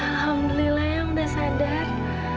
alhamdulillah yang udah sadar